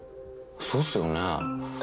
そうっすよね。